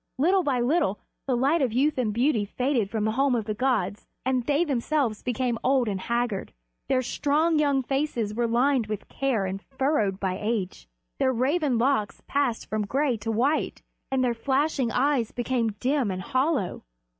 Little by little the light of youth and beauty faded from the home of the gods, and they themselves became old and haggard. Their strong, young faces were lined with care and furrowed by age, their raven locks passed from gray to white, and their flashing eyes became dim and hollow.